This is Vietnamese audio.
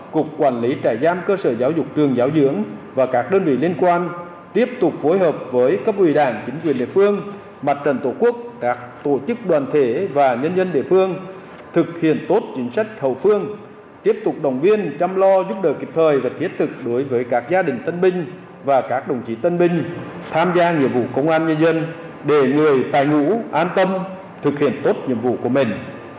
cục quản lý trại giam cơ sở giáo dục trường giáo dưỡng và các đơn vị liên quan tiếp tục phối hợp với các quỳ đảng chính quyền địa phương mặt trận tổ quốc các tổ chức đoàn thể và nhân dân địa phương thực hiện tốt chính sách hậu phương tiếp tục đồng viên chăm lo giúp đỡ kịp thời và thiết thực đối với các gia đình tân binh và các đồng chí tân binh tham gia nhiệm vụ công an nhân dân để người tài ngũ an tâm thực hiện tốt nhiệm vụ của mình